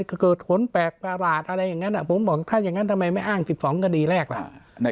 ก็เกิดผลแปลกประหลาดอะไรอย่างนั้นผมบอกถ้าอย่างนั้นทำไมไม่อ้าง๑๒คดีแรกล่ะ